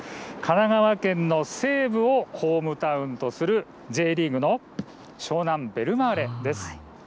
神奈川県の西部をホームタウンとするＪリーグの湘南ベルマーレです。